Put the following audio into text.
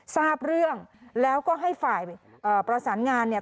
ทราบเรื่องแล้วก็ให้ฝ่ายประสานงานเนี่ย